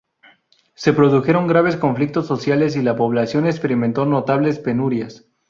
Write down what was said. Se produjeron graves conflictos sociales y la población experimentó notables penurias.